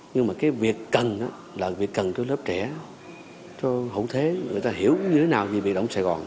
nhưng mà cái việc cần là việc cần cho lớp trẻ cho hậu thế người ta hiểu như thế nào về biệt động sài gòn